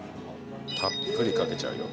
たっぷりかけちゃうよ